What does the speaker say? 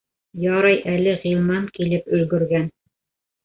Ярай әле Ғилман килеп өлгөргән.